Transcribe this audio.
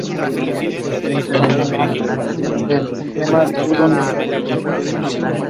La interpretación del tema "Tú ¿Dónde estás?